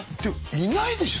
いないでしょ